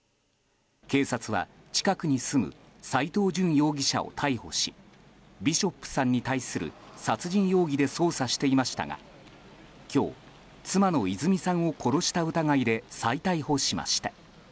警察は近くに住む斎藤淳容疑者を逮捕しビショップさんに対する殺人容疑で捜査していましたが今日、妻の泉さんを殺した疑いで再逮捕しました。